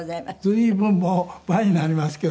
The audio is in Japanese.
随分もう前になりますけどね。